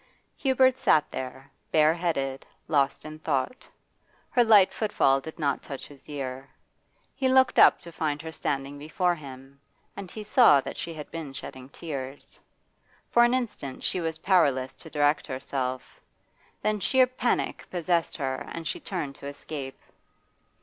Hubert sat there, bareheaded, lost in thought. Her light footfall did not touch his ear. He looked up to find her standing before him, and he saw that she had been shedding tears. For an instant she was powerless to direct herself; then sheer panic possessed her and she turned to escape.